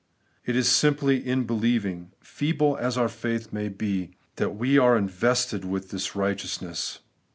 It is simply in believing, — feeble as our faith may be, — ^that we are invested with this righteousness.